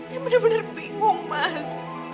ya bener bener bingung mas